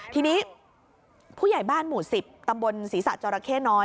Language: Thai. ทีนี้ผู้ใหญ่บ้านหมู่๑๐ตำบลศรีษะจราเข้น้อย